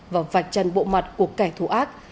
và vạch trần bộ mặt của kẻ thù ác